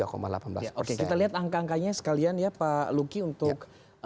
kita lihat angka angkanya sekalian ya pak luki untuk